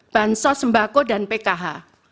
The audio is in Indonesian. bahan sos sembako dan pkh